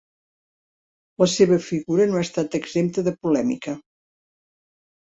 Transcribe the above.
La seva figura no ha estat exempta de polèmica.